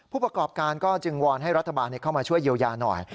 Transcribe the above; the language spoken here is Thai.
ผู้ประกอบการก็จึงวอนให้รัฐบาลเข้ามาช่วยเยียวยาหน่อย